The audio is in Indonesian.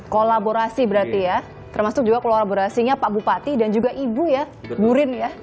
kolaborasi berarti ya termasuk juga kolaborasinya pak bupati dan juga ibu ya bu rin ya